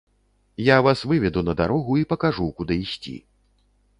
Я вас выведу на дарогу і пакажу, куды ісці.